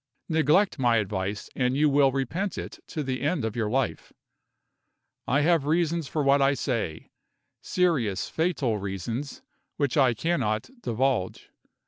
Neglect my advice and you will repent it to the end of your life. I have reasons for what I say serious, fatal reasons, which I cannot divulge.